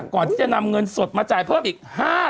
ก่อนที่จะนำเงินสดมาจ่ายเพิ่มอีก๕๐๐